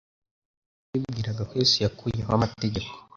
Bamwe bibwira ko Yesu yakuyeho amategeko,